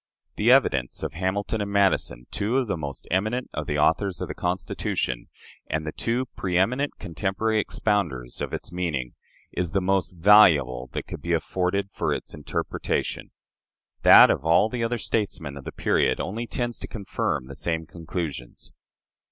The evidence of Hamilton and Madison two of the most eminent of the authors of the Constitution, and the two preeminent contemporary expounders of its meaning is the most valuable that could be offered for its interpretation. That of all the other statesmen of the period only tends to confirm the same conclusions.